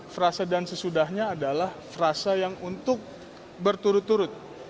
frase dan sesudahnya adalah frasa yang untuk berturut turut